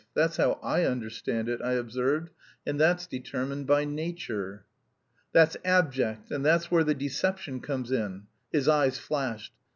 That's how I understand it," I observed, "and that's determined by nature." "That's abject; and that's where the deception comes in." His eyes flashed.